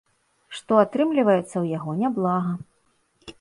Што, атрымліваецца ў яго няблага.